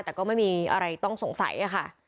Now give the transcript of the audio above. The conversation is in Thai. แต่ก็ไม่มีอะไรต้องสงสัยค่ะ